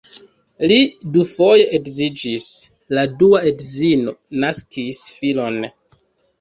Li dufoje edziĝis, la dua edzino naskis filon.